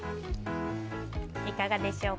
いかがでしょうか？